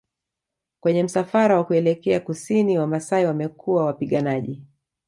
Kwenye msafara wa kuelekea Kusini Wamasai wamekuwa Wapiganaji